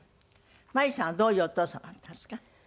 まりさんはどういうお父様だったんですか？